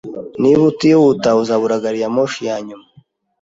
Niba utihuta, uzabura gari ya moshi yanyuma.